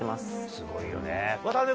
すごいよね。